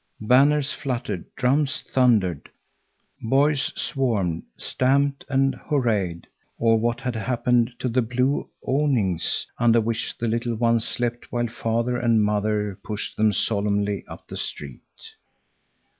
Banners fluttered, drums thundered, boys swarmed, stamped, and hurrahed. Or what had happened to the blue awnings under which the little ones slept while father and mother pushed them solemnly up the street.